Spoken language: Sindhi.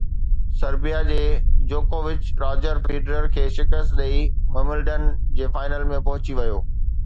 سربيا جي جوڪووچ راجر فيڊرر کي شڪست ڏئي ومبلڊن جي فائنل ۾ پهچي ويو